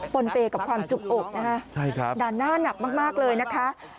นเปย์กับความจุกอกนะคะด่านหน้าหนักมากเลยนะคะ